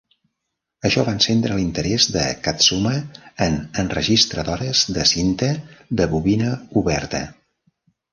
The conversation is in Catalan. Això va encendre l'interès de Katsuma en enregistradores de cinta de bobina oberta.